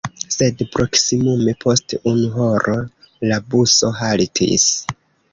Sed proksimume post unu horo la buso haltis.